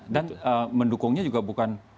dan mendukungnya juga bukan